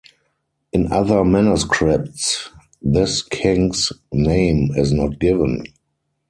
In other manuscripts this king's name is not given.